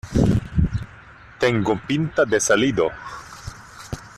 ¿ tengo pinta de salido?